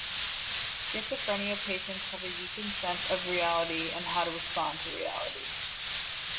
Schizophrenic patients have a weakened sense of reality and how to respond to reality.